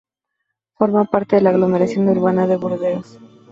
Forma parte de la aglomeración urbana de Burdeos.